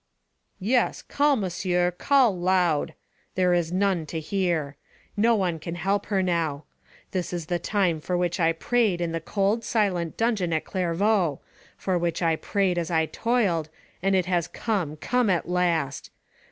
" "Yes — call, monsieur, call loud. There is none to hear. No one can help her now This is the time for which I prayed in the cold, silent dun geon at Clairvaux — for which I prayed as I toiled, and it has come — come at last.